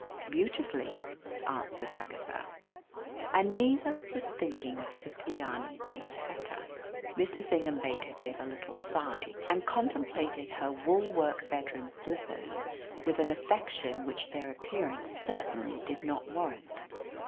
"Beautifully!" answered Agatha. And neither was thinking of Cipriani de Lloseta. Mrs. Ingham Baker gave a little sigh, and contemplated her wool work bedroom slippers with an affection which their appearance certainly did not warrant.